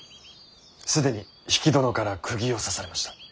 既に比企殿からくぎを刺されました。